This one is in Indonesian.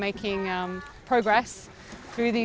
melalui pembersihan ini